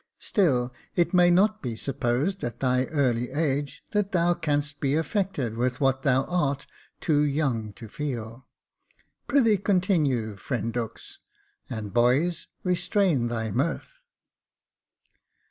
Still it may not be supposed, at thy early age, that thou canst be affected with what thou art too young to feel. Pr'ythee continue, friend Dux — and, boys, restrain thy mirth."